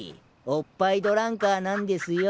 おっぱいドランカーなんですよ。